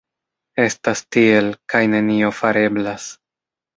Estas tiel, kaj nenio fareblas.